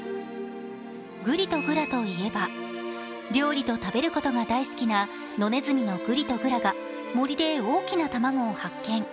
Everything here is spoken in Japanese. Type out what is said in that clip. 「ぐりとぐら」といえば料理と食べることが大好きな野ねずみのぐりとぐらが森で大きな卵を発見。